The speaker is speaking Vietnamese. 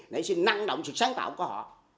nảy sinh năng động sự sáng tạo của họ